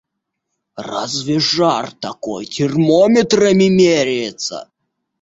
Разве жар такой термометрами меряется?!